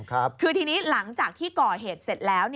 คือทีนี้หลังจากที่ก่อเหตุเสร็จแล้ว